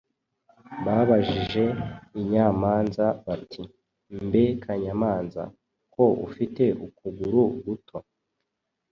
Babajije inyamanza bati: “Mbe kanyamanza ko ufite ukuguru guto!”